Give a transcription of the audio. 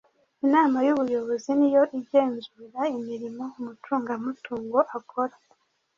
inama y'ubuyobozi niyo igenzura imirimo umucungamutungo akora